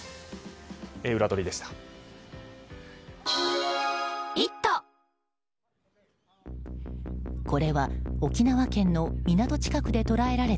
裏取りでした。